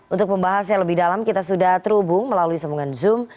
untuk pembahasnya lebih dalam kita sudah terhubung melalui semuanya zoom